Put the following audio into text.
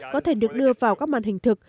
có thể được đưa vào các màn hình thực